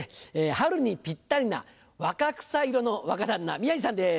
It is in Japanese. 春にぴったりな若草色の若旦那宮治さんです。